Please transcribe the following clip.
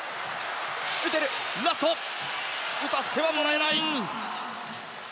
打たせてはもらえない！